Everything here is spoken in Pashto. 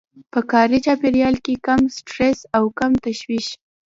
په کاري چاپېريال کې کم سټرس او کم تشويش.